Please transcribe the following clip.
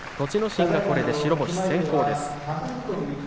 心がこれで白星先行です。